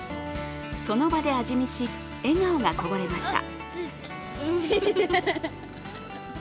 その場で味見し、笑顔がこぼれました。